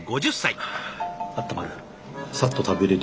ああったまる。